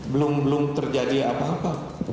belum belum terjadi apa apa